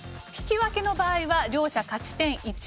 引き分けの場合は両者勝ち点１。